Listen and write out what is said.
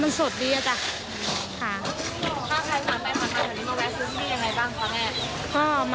มาแว่ซื้อที่นี่อังไงบ้างครับแม่